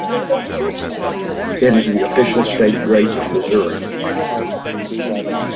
It is the official state grape of Missouri.